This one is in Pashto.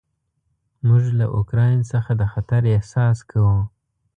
موږ له اوکراین څخه د خطر احساس کوو.